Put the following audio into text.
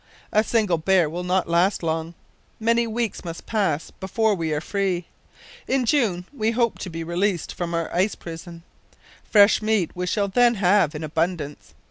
A single bear will not last long. Many weeks must pass before we are free. In June we hope to be released from our ice prison. Fresh meat we shall then have in abundance.